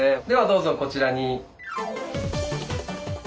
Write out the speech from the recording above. ではどうぞこちらに。